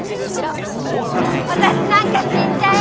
私なんか死んじゃえ！